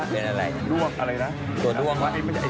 เป็นหิงห้อยพี่นิ่งเป็นหิงห้อยเหรอ